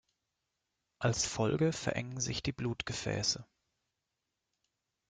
Als Folge verengen sich die Blutgefäße.